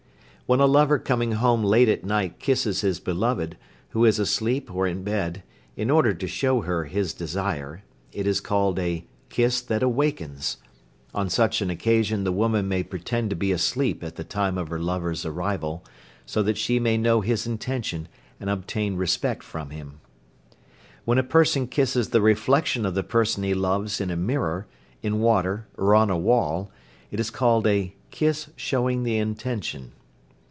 When a lover coming home late at night kisses his beloved, who is asleep or in bed, in order to show her his desire, it is called a "kiss that awakens." On such an occasion the woman may pretend to be asleep at the time of her lover's arrival, so that she may know his intention and obtain respect from him. When a person kisses the reflection of the person he loves in a mirror, in water, or on a wall, it is called a "kiss showing the intention."